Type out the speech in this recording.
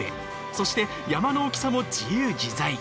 そして、山の大きさも自由自在。